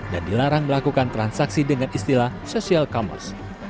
dan dilarang melakukan transaksi dengan istilah social commerce